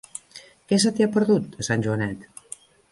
Què se t'hi ha perdut, a Sant Joanet?